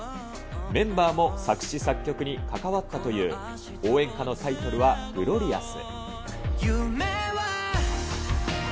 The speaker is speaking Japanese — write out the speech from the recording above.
メンバーも作詞作曲に関わったという、応援歌のタイトルはグロリアス。